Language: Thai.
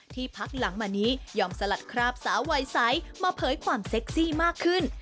พักหลังมานี้ยอมสลัดคราบสาววัยใสมาเผยความเซ็กซี่มากขึ้น